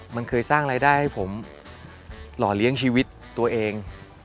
มันเคยสร้างรายได้ให้ผมหล่อเลี้ยงชีวิตตัวเอง